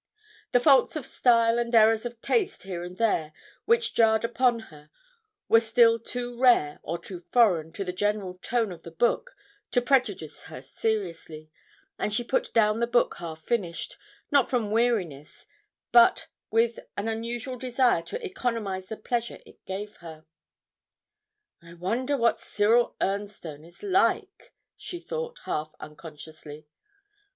The faults of style and errors of taste here and there which jarred upon her were still too rare or too foreign to the general tone of the book to prejudice her seriously, and she put down the book half finished, not from weariness but with an unusual desire to economise the pleasure it gave her. 'I wonder what "Cyril Ernstone" is like,' she thought, half unconsciously.